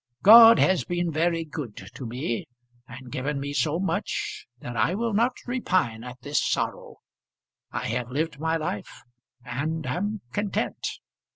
God has been very good to me, and given me so much that I will not repine at this sorrow. I have lived my life, and am content."